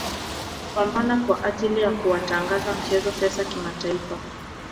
Kupambana kwa ajili ya kuwatangaza mchezo Pesa kimataifa